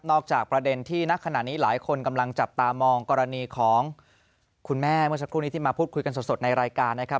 จากประเด็นที่นักขณะนี้หลายคนกำลังจับตามองกรณีของคุณแม่เมื่อสักครู่นี้ที่มาพูดคุยกันสดในรายการนะครับ